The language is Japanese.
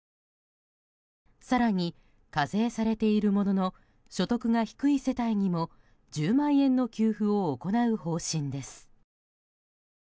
更に課税されているものの所得が低い世帯にも１０万円の給付を行う方針です。